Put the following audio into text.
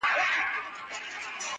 خو خپه كېږې به نه.